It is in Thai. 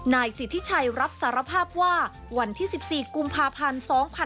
นายสิทธิชัยรับสารภาพว่าวันที่๑๔กุมภาพันธ์๒๕๕๙